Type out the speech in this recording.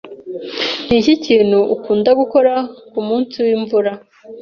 Niki kintu ukunda gukora kumunsi wimvura?